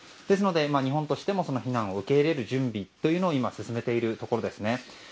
ですので日本としてもその非難を受け入れる準備というのを進めているとことです。